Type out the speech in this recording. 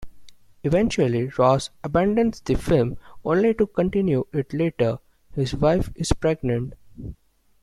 Eventually Ross abandons the film, only to continue it later: his wife is pregnant.